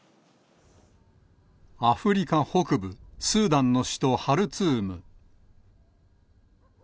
アフリカ北部スーダンの首都ハルツーム。